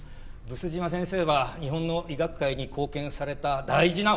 毒島先生は日本の医学界に貢献された大事なお客様です。